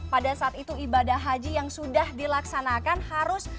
pada saat itu ibadah haji yang sudah dilaksanakan harus